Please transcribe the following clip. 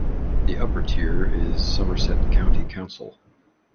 The upper tier is Somerset County Council.